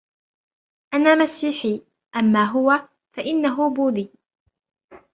أنا مسيحي ، أما هو فإنه بودي.